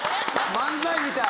漫才みたい。